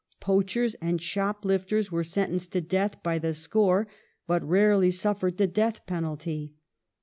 Poachers and shoplifters were sentenced to death by the score, but rarely suffered tlie death j)enalty.